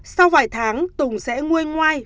sau vài tháng tùng sẽ nguê ngoai